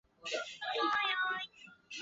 于是他们决定进行一段时间的休养。